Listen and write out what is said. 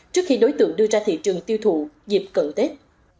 trước khi đối tượng đưa ra thị trường tiêu thụ dịp cận tết